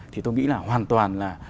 thì tôi nghĩ là hoàn toàn là